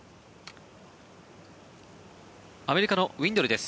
アメリカのウィンドルです。